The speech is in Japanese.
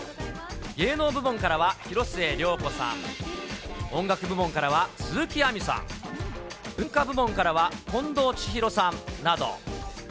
芸能部門からは広末涼子さん、音楽部門からは鈴木亜美さん、文化部門からは近藤千尋さんなど。